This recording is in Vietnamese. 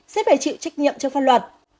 sẽ phải chịu trách nhiệm cho phân luật